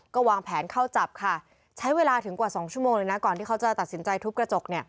ก็วางแผนเข้าจับค่ะใช้เวลาถึงกว่า๒ชั่วโมงเลยนะก่อนที่เขาจะตัดสินใจทุบกระจก